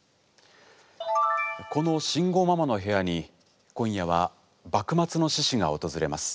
この慎吾ママの部屋に今夜は幕末の志士が訪れます。